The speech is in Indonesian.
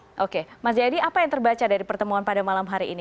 mas jadi pradja b ehjre apa yang terbaca dari pertemuan pada malam hari ini